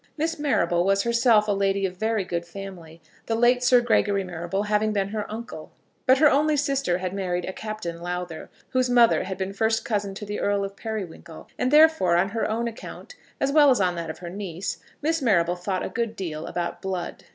Miss Marrable was herself a lady of very good family, the late Sir Gregory Marrable having been her uncle; but her only sister had married a Captain Lowther, whose mother had been first cousin to the Earl of Periwinkle; and therefore on her own account, as well as on that of her niece, Miss Marrable thought a good deal about blood.